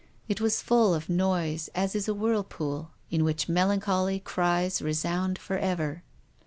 It was full of noise as is a whirlpool, in which melancholy cries resound forever.